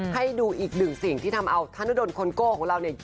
ให้ดูอีกหนึ่งสิ่งที่ทำเอาธนุดลคนโก้ของเราเนี่ย